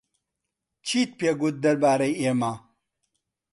چیت پێ گوت دەربارەی ئێمە؟